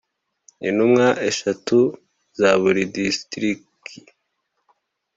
Intumwa eshatu za buri distriki